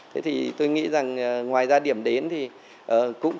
thế thì tôi nghĩ rằng ngoài ra điểm đến thì cũng